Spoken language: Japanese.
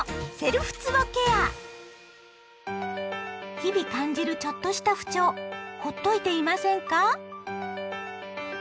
日々感じるちょっとした不調ほっといていませんか？